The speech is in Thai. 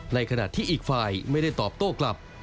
ในขณะที่อีกฝ่ายไม่ได้ตอบโต้กลับ